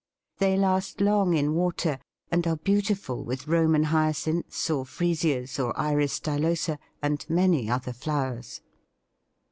They last long in water, and are beautiful with Roman Hyacinths or Freesias or Iris stylosa and many other flowers.